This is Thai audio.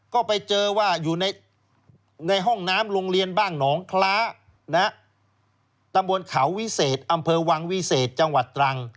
ก็ไปเจอว่าอยู่ในห้องน้ำโรงเรียนบ้างหนองคล้าตำบลเขาวิเศษอำเภอวังวิเศษจังหวัดตรัง